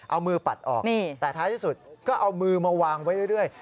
เอามือปัดออกแต่ท้ายที่สุดก็เอามือมาวางไว้เรื่อย